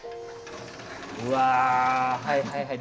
うわはいはいはい。